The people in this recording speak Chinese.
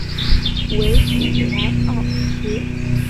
维古莱奥齐。